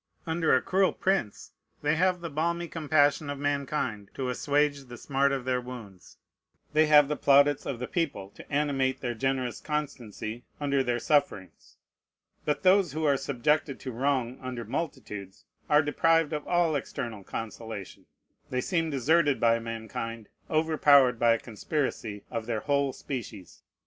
Under a cruel prince they have the balmy compassion of mankind to assuage the smart of their wounds, they have the plaudits of the people to animate their generous constancy under their sufferings: but those who are subjected to wrong under multitudes are deprived of all external consolation; they seem deserted by mankind, overpowered by a conspiracy of their whole species.